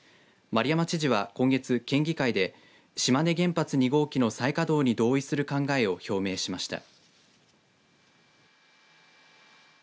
丸山知事は今月、県議会で島根原発２号機の再稼働に同意する考えを表明しました。